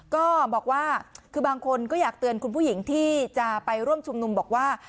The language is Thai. ก็บอกว่าคือบางคนก็อยากเตือนคุณผู้หญิงที่จะไปร่วมชุมนุมบอกว่า